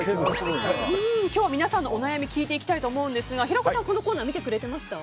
今日皆さんのお悩みを聞いていきたいと思うんですが平子さん、このコーナー見てくれてました？